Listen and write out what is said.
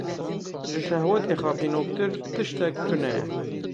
Ji şehwetê xapînoktir tiştek tune ye.